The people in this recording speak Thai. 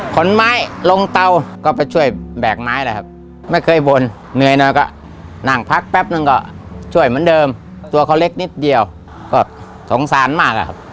ขนไม้ลงเตาก็ไปช่วยแบกไม้แหละครับไม่เคยบ่นเหนื่อยหน่อยก็นั่งพักแป๊บนึงก็ช่วยเหมือนเดิมตัวเขาเล็กนิดเดียวก็สงสารมากอะครับ